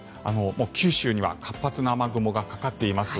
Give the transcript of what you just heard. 九州には活発な雨雲がかかっています。